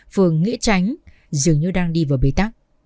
phường nghĩa chánh dường như đang đi vào bế tắc